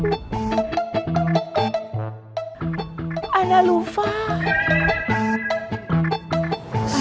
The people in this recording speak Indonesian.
dalam seluruh dunia